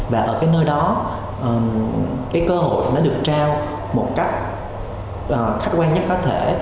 và ở cái nơi đó cái cơ hội nó được trao một cách khách quan nhất có thể